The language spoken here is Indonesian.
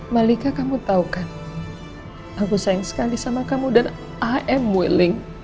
malika kamu tahu kan aku sayang sekali sama kamu dan am willing